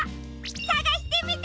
さがしてみてね！